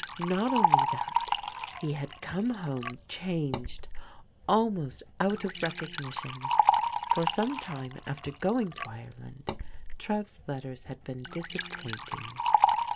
Not only that, he had come home changed almost out of recognition. For some time after going to Ireland, Trev's letters had been disappointing.